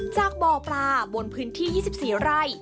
จากบ่อปลาบนพื้นที่๒๔ไร่